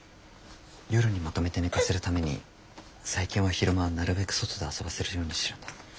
夜にまとめて寝かせるために最近は昼間なるべく外で遊ばせるようにしてるんだ。